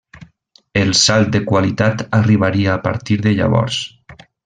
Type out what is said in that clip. El salt de qualitat arribaria a partir de llavors.